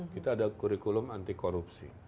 kita ada kurikulum anti korupsi